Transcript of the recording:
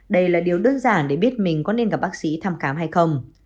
đây là điều đơn giản để biết mình có nên gặp bác sĩ thăm khám hay không